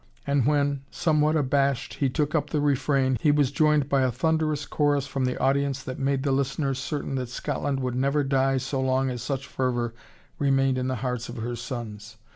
And when, somewhat abashed, he took up the refrain, he was joined by a thunderous chorus from the audience that made the listeners certain that Scotland would never die so long as such fervor remained in the hearts of her sons.